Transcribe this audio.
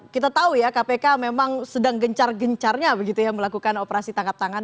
kita tahu ya kpk memang sedang gencar gencarnya begitu ya melakukan operasi tangkap tangan